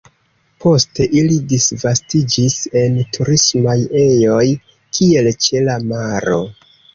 Poste ili disvastiĝis en turismaj ejoj, kiel ĉe la maro.